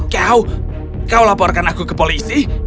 kau kau laporkan aku ke polisi